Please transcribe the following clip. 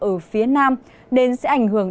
ở phía nam nên sẽ ảnh hưởng